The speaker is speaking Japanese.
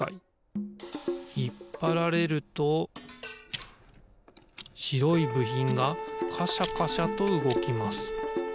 ひっぱられるとしろいぶひんがカシャカシャとうごきます。